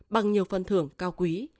bằng nhiều phần thưởng cao quý